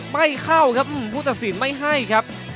ไม่เข้าครับผู้ตัดสินไม่ให้ครับ